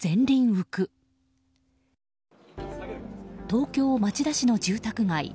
東京・町田市の住宅街。